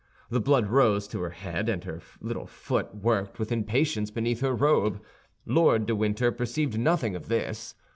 The blood rose to her head, and her little foot worked with impatience beneath her robe. Lord de Winter perceived nothing of this.